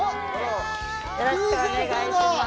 よろしくお願いします